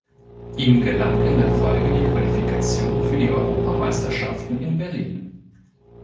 Ihm gelang in der Folge die Qualifikation für die Europameisterschaften in Berlin.